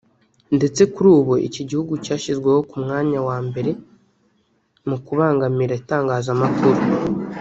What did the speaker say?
ndetse kuri ubu iki gihugu cyashyizweho ku mwanya wa mbere mu kubangamira itangazamakuru